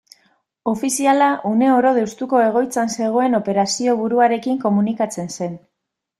Ofiziala une oro Deustuko egoitzan zegoen operazioburuarekin komunikatzen zen.